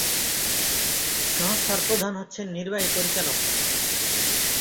সংস্থার প্রধান হচ্ছেন নির্বাহী পরিচালক।